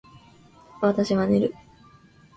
私は寝る